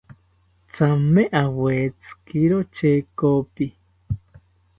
Thame awetzikiro chekopi